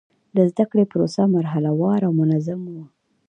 د زده کړې پروسه مرحله وار او منظم و.